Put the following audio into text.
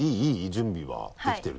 準備はできてる？